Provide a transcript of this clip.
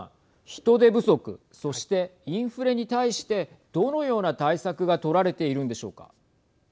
人手不足そしてインフレに対してどのような対策が取られているんでしょうか。